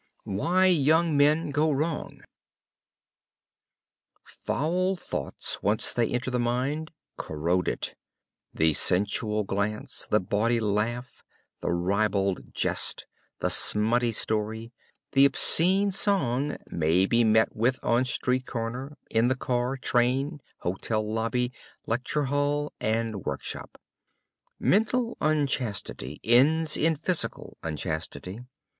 WHY YOUNG MEN GO WRONG Foul thoughts, once they enter the mind, corrode it. The sensual glance, the bawdy laugh, the ribald jest, the smutty story, the obscene song may be met with on street corner, in the car, train, hotel lobby, lecture hall and workshop. Mental unchastity ends in physical unchastity.